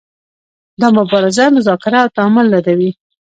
دا مبارزه مذاکره او تعامل ردوي.